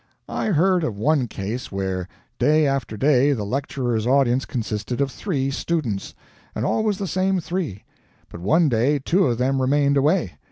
I heard of one case where, day after day, the lecturer's audience consisted of three students and always the same three. But one day two of them remained away.